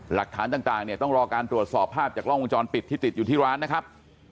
หลักฐานต่างเนี่ยต้องรอการตรวจสอบภาพจากกล้องวงจรปิดที่ติดอยู่ที่ร้านนะครับ